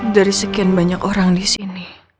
dari sekian banyak orang disini